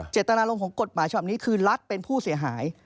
เจตนารมณ์ของกฎหมายฉบับนี้คือรัฐเป็นผู้เสียหาย